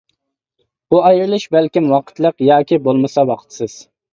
بۇ ئايرىلىش بەلكىم ۋاقىتلىق ياكى بولمىسا ۋاقىتسىز.